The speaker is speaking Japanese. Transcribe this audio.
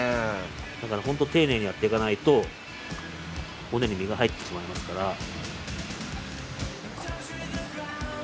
だからほんと丁寧にやっていかないと骨に身が入ってしまいますから。